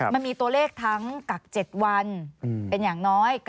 มันมีตัวเลขทั้งกัก๗วันเป็นอย่างน้อย